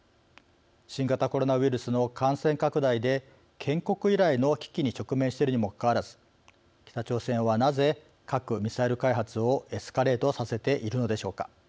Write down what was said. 新型コロナウイルスの感染拡大で建国以来の危機に直面しているにもかかわらず北朝鮮はなぜ核・ミサイル開発をエスカレートさせているのでしょうか。